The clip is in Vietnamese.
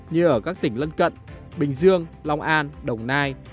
như ở các tỉnh lân cận bình dương long an đồng nai